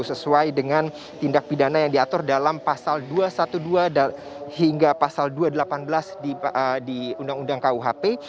sesuai dengan tindak pidana yang diatur dalam pasal dua ratus dua belas hingga pasal dua ratus delapan belas di undang undang kuhp